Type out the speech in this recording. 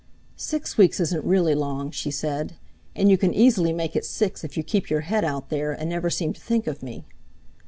"Six weeks isn't really long," she said; "and you can easily make it six if you keep your head out there, and never seem to think of me."